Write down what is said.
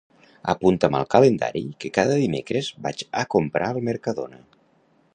Apunta'm al calendari que cada dimecres vaig a comprar al Mercadona.